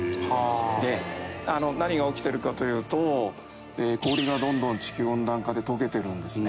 であの何が起きてるかというと氷がどんどん地球温暖化で解けてるんですね。